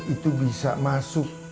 itu bisa masuk